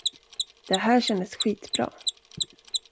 Det här kändes skitbra!